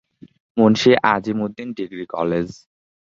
Munshi Azim Uddin degree college.